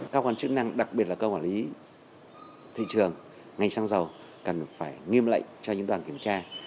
các quan chức năng đặc biệt là cơ quản lý thị trường ngành xăng dầu cần phải nghiêm lệnh cho những đoàn kiểm tra